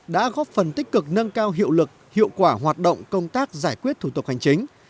đã góp phần tích cực nâng cao hiệu lực hiệu quả hoạt động công tác giải quyết thủ tục hành chính